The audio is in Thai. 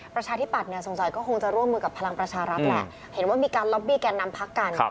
ประชาธิปัตยสงสัยก็คงจะร่วมมือกับพลังประชารัฐแหละเห็นว่ามีการล็อบบี้แก่นนำพักกัน